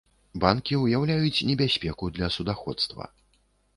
Банкі ўяўляюць небяспеку для судаходства.